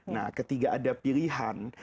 nah ketika ada pilihan